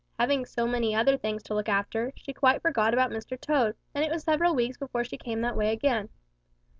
Having so many other things to look after, she quite forgot about Mr. Toad, and it was several weeks before she came that way again.